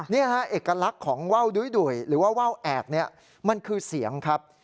นี่ฮะเอกลักษณ์ของว่าวดุ้ยหรือว่าว่าวแอกเนี่ยมันคือเสียงครับ